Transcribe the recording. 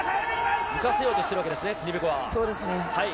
浮かせようとしているわけですね、ティニベコワは。